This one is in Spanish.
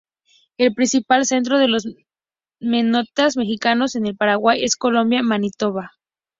El principal centro de los menonitas mexicanos en el Paraguay, es colonia Manitoba.